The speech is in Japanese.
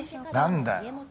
何だよ。